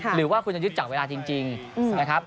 หรือว่าคุณจะยึดจากเวลาจริงนะครับ